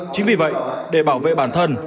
chính vì vậy để bảo vệ bản thân